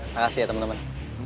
makasih ya temen temen